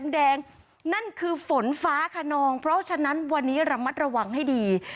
นั่นคือฝนฟ้าขนองเพราะฉะนั้นวันนี้ระมัดระวังให้ดี